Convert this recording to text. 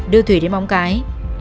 đưa thùy đến bóng cái